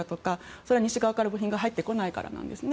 それは西側から部品が入ってこないからなんですね。